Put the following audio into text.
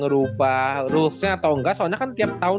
rules nya atau nggak soalnya kan tiap tahun